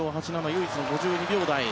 唯一の５２秒台。